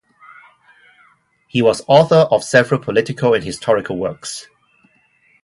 He was author of several political and historical works.